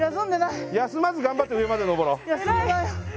休まず頑張って上まで登ろう。